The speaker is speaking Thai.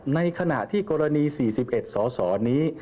ในขณะที่กรณี๔๑สสนี้